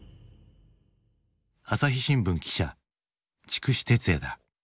朝日新聞記者筑紫哲也だ。